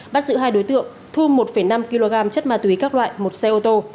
bắt giữ hai đối tượng thu một năm kg chất ma túy các loại một xe ô tô